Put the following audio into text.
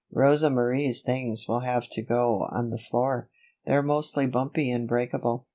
Rosa Marie's things will have to go on the floor they're mostly bumpy and breakable."